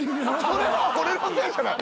それは俺のせいじゃない！